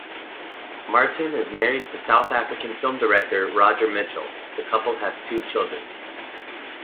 Martin is married to South-African film director Roger Michell; the couple have two children.